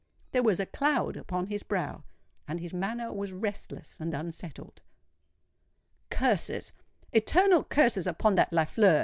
There was a cloud upon his brow; and his manner was restless and unsettled. "Curses—eternal curses upon that Lafleur!"